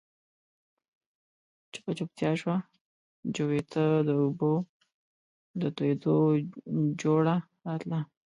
چوپه چوپتيا شوه، جووې ته د اوبو د تويېدو جورړا راتله.